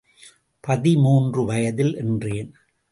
பதிமூன்று வயதில் என்றேன்.